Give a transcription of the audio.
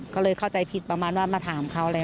ก็เลยเข้าใจผิดประมาณว่ามาถามเขาแล้ว